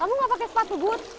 kamu gak pakai sepatu but